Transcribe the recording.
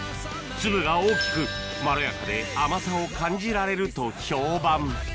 粒が大きくまろやかで甘さを感じられると評判